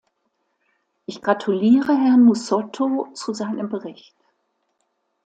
Ich gratuliere Herrn Musotto zu seinem Bericht.